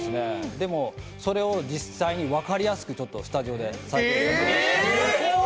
でも、それを実際に分かりやすくスタジオで再現します。